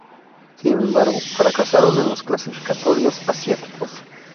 Sin embargo, fracasaron en los clasificatorios asiáticos.